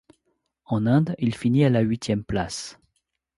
En Inde, il finit à la huitième place.